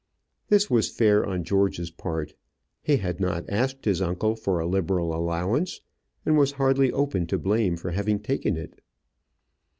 This was fair on George's part. He had not asked his uncle for a liberal allowance, and was hardly open to blame for having taken it.